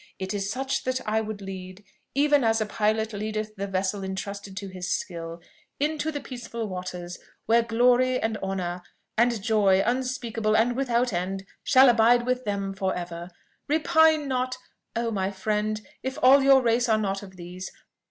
It is such that I would lead, even as a pilot leadeth the vessel intrusted to his skill, into the peaceful waters, where glory, and honour, and joy unspeakable and without end, shall abide with them for ever! "Repine not, oh! my friend, if all your race are not of these.